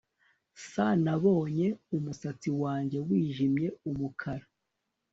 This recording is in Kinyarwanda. S Nabonye umusatsi wanjye wijimye umukara